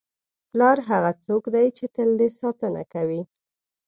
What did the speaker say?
پلار هغه څوک دی چې تل دې ساتنه کوي.